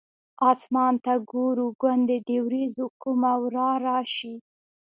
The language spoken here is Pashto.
اسمان ته ګورو ګوندې د ورېځو کومه ورا راشي.